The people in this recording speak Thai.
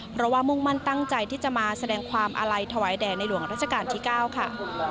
เพราะว่ามุ่งมั่นตั้งใจที่จะมาแสดงความอาลัยถวายแด่ในหลวงราชการที่๙ค่ะ